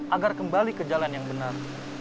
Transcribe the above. agar kembali ke jalan yang benar